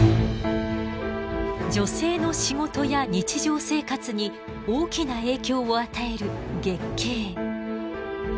女性の仕事や日常生活に大きな影響を与える月経。